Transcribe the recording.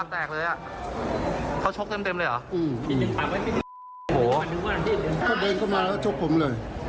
คนขี้เธนก็มาแล้วชกผมเลย